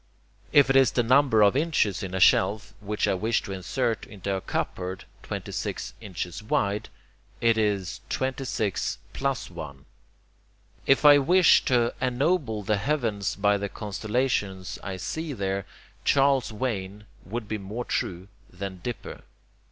If it is the number of inches in a shelf which I wish to insert into a cupboard 26 inches wide, it is 26 plus 1. If I wish to ennoble the heavens by the constellations I see there, 'Charles's Wain' would be more true than 'Dipper.'